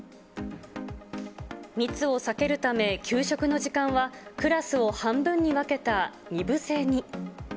密を避けるため、給食の時間は、クラスを半分に分けた２部制に。